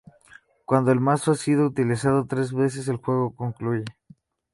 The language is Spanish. Cuando el mazo ha sido utilizado tres veces, el juego concluye.